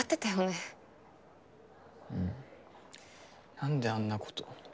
なんであんなこと。